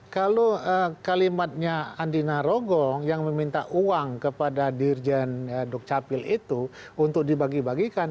kalau kalimatnya andina rogong yang meminta uang kepada dirjen duk capil itu untuk dibagi bagikan